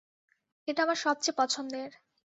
এটা আমার সবচেয়ে পছন্দের।